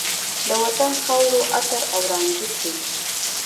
د وطن د خاورو عطر او رانجه شي